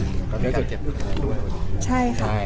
ก็จะเจ็บด้วย